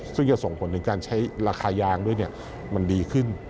ซึ่งจะส่งผลถึงการใช้ราคายางด้วยมันดีขึ้น